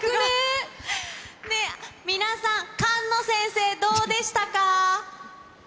皆さん、菅野先生どうでしたか？